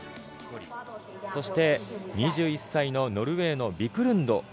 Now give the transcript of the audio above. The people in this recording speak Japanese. そして２１歳のノルウェーのビクルンド